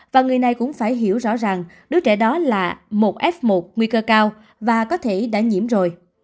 và người này cũng phải hiểu rõ rằng đứa trẻ đó là một f một nguy cơ cao và có thể đã nhiễm rồi